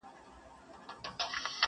چي یې ته اوربل کي کښېږدې بیا تازه سي.